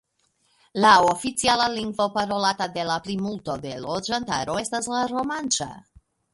La oficiala lingvo parolata de la plimulto de loĝantaro estas la romanĉa.